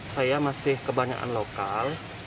saya masih kebanyakan lokal